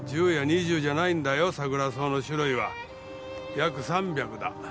約３００だ。